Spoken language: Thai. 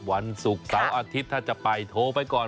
วันศุกร์เสาร์อาทิตย์ถ้าจะไปโทรไปก่อน